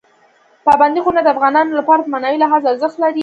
پابندي غرونه د افغانانو لپاره په معنوي لحاظ ارزښت لري.